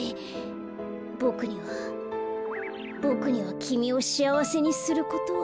ボクにはボクにはきみをしあわせにすることは。